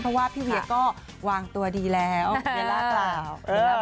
ไม่ว่าพี่เวียก็วางตัวดีแล้วเวลาเผา